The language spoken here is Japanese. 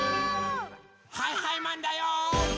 はいはいマンだよ！